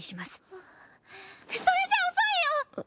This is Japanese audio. あっそれじゃ遅いよ！！